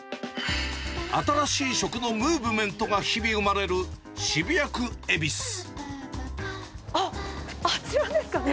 新しい食のムーブメントが日あっ、あちらですかね。